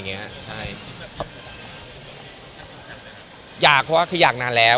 คุยกันอยู่ครับคุยกันอยู่ครับ